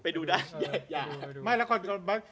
ตื่นเต้นเลย